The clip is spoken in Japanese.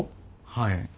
はい。